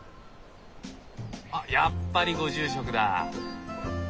あっやっぱりご住職だ。